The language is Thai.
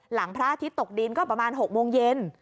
พระอาทิตย์ตกดินก็ประมาณ๖โมงเย็น